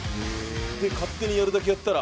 勝手にやるだけやったら。